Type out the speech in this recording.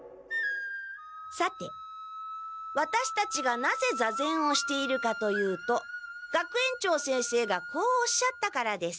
さてワタシたちがなぜ座禅をしているかというと学園長先生がこうおっしゃったからです。